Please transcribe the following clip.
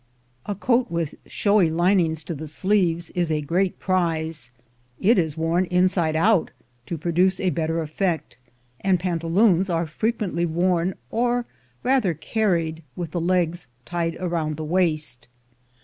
A coat with showy linings to the sleeves is a great prize; it is worn inside out to produce a better effect, and panta loons are frequently worn, or rather carried, with the legs tied around the waist.